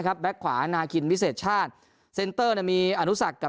ครับแบ็คขวานาคินวิเศษชาติเซนเตอร์มีอานุศักดิ์กับ